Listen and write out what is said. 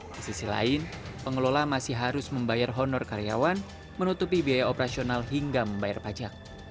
di sisi lain pengelola masih harus membayar honor karyawan menutupi biaya operasional hingga membayar pajak